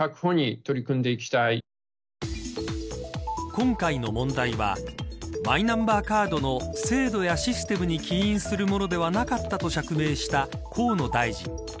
今回の問題はマイナンバーカードの制度やシステムに起因するものではなかったと釈明した河野大臣。